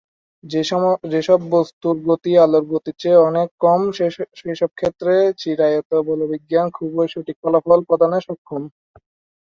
যে সব বস্তুর গতি আলোর গতির চেয়ে অনেক অনেক কম, সেইসব ক্ষেত্রে চিরায়ত বলবিজ্ঞান খুবই সঠিক ফলাফল প্রদানে সক্ষম।